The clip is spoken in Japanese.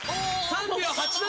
３秒８７！